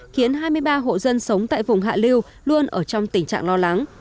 khiến hai mươi ba hộ dân sống tại vùng hạ liêu luôn ở trong tình trạng lo lắng